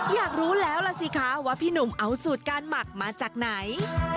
อยากรู้แล้วล่ะสิคะว่าพี่หนุ่มเอาสูตรการหมักมาจากไหน